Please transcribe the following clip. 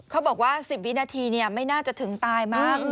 เขาบอกว่า๑๐วินาทีไม่น่าจะถึงตายมั้ง